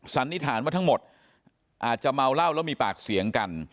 สันนิษฐานว่าทั้งหมดอาจจะเมาเหล้าแล้วมีปากเสียงกัน